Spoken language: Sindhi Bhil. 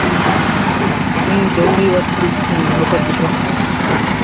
ائيٚݩ آئي ڌوٻيٚ وٽ نوڪر بيٚٺو۔